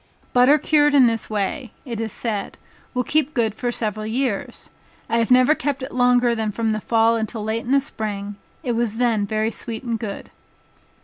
Butter cured in this way, (it is said) will keep good for several years. I have never kept it longer than from the fall until late in the spring, it was then very sweet and good.